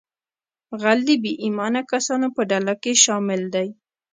غل د بې ایمانه کسانو په ډله کې شامل دی